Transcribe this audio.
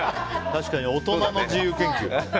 確かに、大人の自由研究。